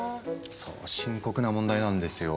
そう深刻な問題なんですよ。